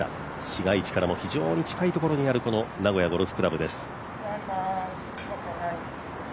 市街地からも非常に近いところにある名古屋ゴルフ倶楽部です。